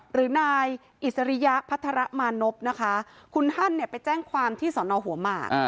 หรือนายอิสริยะพัฒระมานพนะคะคุณฮั่นเนี่ยไปแจ้งความที่สอนอหัวหมาก